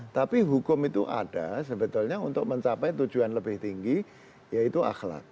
tapi hukum itu ada sebetulnya untuk mencapai tujuan lebih tinggi yaitu akhlak